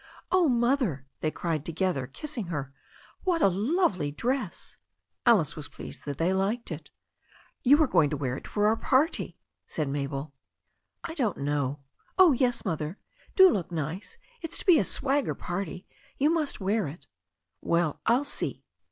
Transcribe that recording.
"Oh, Mother," they cried together, kissing her, "what a lovely dress." Alice was pleased that they liked it. "You are going to wear it for our party," said MabeL '1 don't know." "Dh, yes. Mother. Do look nice. It's to be a swagger party. You must wear it." "Well, I'll see."